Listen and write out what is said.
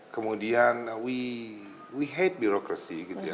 kemudian we hate birocracy gitu ya